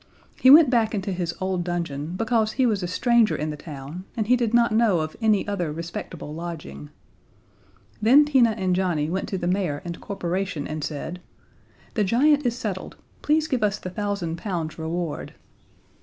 He went back into his old dungeon because he was a stranger in the town, and he did not know of any other respectable lodging. Then Tina and Johnnie went to the mayor and corporation and said, "The giant is settled. Please give us the thousand pounds reward."